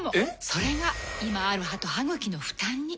それが今ある歯と歯ぐきの負担に。